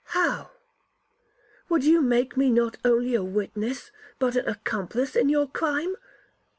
'How! would you make me not only a witness, but an accomplice in your crime?